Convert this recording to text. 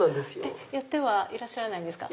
やってらっしゃらないんですか？